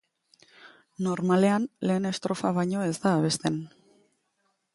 Normalean, lehen estrofa baino ez da abesten.